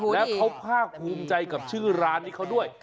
แล้วเขาภาคภูมิใจกับชื่อร้านนี้เขาด้วย